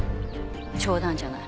冗談じゃない。